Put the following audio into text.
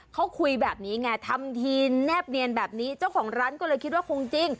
เขาคุยแบบนี้ไงทำทีแนบเนียนแบบนี้เจ้าของร้านก็เลยคิดว่าคงจริง